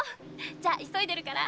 じゃ急いでるから。